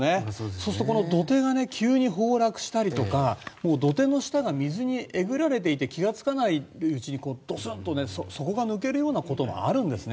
そうするとこの土手が急に崩落したりとか土手の下が水にえぐられていて気がつかないうちにドスンと底が抜けるようなこともあるんですね。